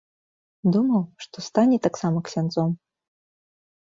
Думаў, што стане таксама ксяндзом.